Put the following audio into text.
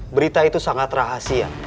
berita itu sangat rahasia